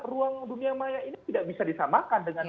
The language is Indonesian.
ruang dunia maya ini tidak bisa disamakan dengan